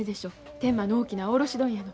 天満の大きな卸問屋の。